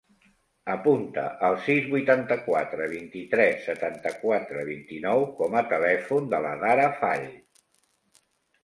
Apunta el sis, vuitanta-quatre, vint-i-tres, setanta-quatre, vint-i-nou com a telèfon de l'Adara Fall.